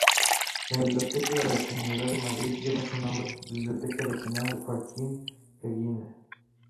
La biblioteca de la Comunidad de Madrid lleva su nombre: Biblioteca Regional Joaquín Leguina.